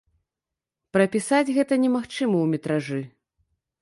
Прапісаць гэта немагчыма ў метражы.